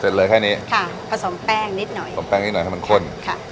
เลยแค่นี้ค่ะผสมแป้งนิดหน่อยสมแป้งนิดหน่อยให้มันข้นค่ะ